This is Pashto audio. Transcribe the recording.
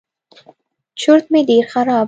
چورت مې ډېر خراب و.